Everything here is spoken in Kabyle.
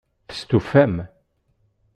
Testufam?